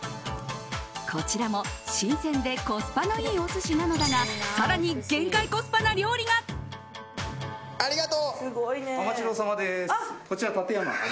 こちらも新鮮でコスパのいいお寿司なのだが更に限界コスパな料理が！